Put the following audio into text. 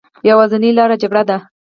يوازينۍ لاره جګړه ده